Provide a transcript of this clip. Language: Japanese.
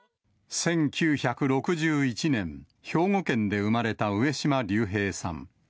１９６１年、兵庫県で生まれた上島竜兵さん。